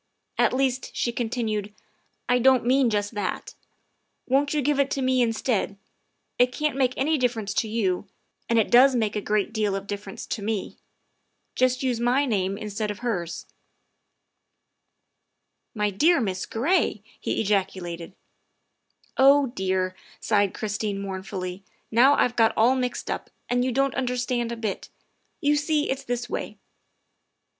"At least," she continued, " I don't mean just that. Won't you give it to me instead? It can't make any difference to you, and it does make a great deal of dif ference to me. Just use my name instead of hers." THE SECRETARY OF STATE 43 " My dear Miss Gray!" he ejaculated. '' Oh, dear, '' sighed Christine mournfully, '' now I 've got all mixed up, and you don't understand a bit. You see it's this way.